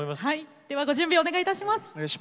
ではご準備をお願いいたします。